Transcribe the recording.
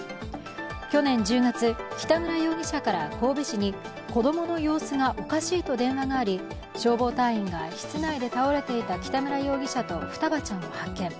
去年１０月、北村容疑者から神戸市に子供の様子がおかしいと電話があり消防隊員が室内で倒れていた北村容疑者と双葉ちゃんを発見。